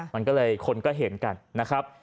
มันก็เลยคนก็เห็นกันนะครับ